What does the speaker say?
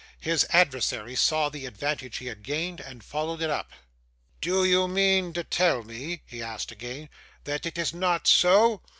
His adversary saw the advantage he had gained, and followed it up. 'Do you mean to tell me,' he asked again, 'that it is not so?